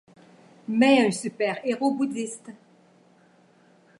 Mais un super héros bouddhiste.